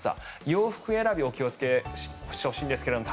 洋服選びに気をつけてほしいんです。